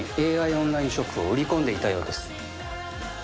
オンラインショップを売り込んでいたようです